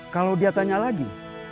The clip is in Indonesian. kalau dia tanya lagi